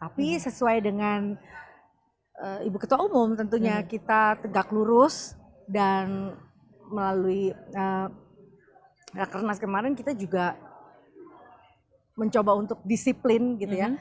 tapi sesuai dengan ibu ketua umum tentunya kita tegak lurus dan melalui rakernas kemarin kita juga mencoba untuk disiplin gitu ya